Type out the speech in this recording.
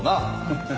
フフ。